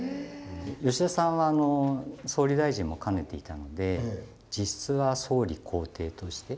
吉田さんは総理大臣も兼ねていたので実質は総理公邸として。